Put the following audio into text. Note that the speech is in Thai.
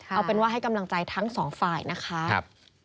เอาเป็นว่าให้กำลังใจทั้งสองฝ่ายนะคะ